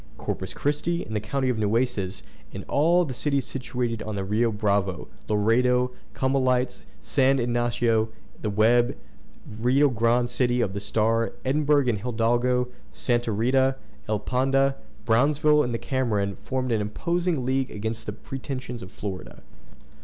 Corpus Christi, in the county of Nueces, and all the cities situated on the Rio Bravo, Laredo, Comalites, San Ignacio on the Web, Rio Grande City on the Starr, Edinburgh in the Hidalgo, Santa Rita, Elpanda, Brownsville in the Cameron, formed an imposing league against the pretensions of Florida.